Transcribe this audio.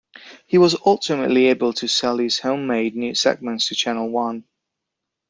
He was ultimately able to sell his home-made news segments to Channel One.